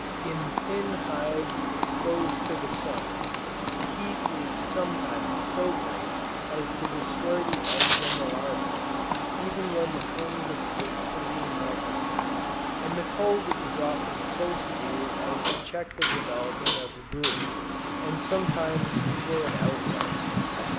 In thin hives exposed to the sun, the heat is sometimes so great as to destroy the eggs and the larvæ, even when the combs escape from being melted; and the cold is often so severe as to check the development of the brood, and sometimes to kill it outright.